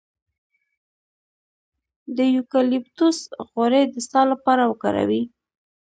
د یوکالیپټوس غوړي د ساه لپاره وکاروئ